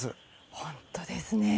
本当ですね。